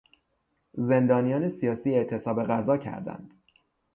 زندانیان سیاسی اعتصاب غذا کردند.